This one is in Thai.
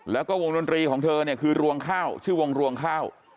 แล้วก็วงดนตรีของเธอเนี่ยคือรวงข้าวชื่อวงรวงข้าว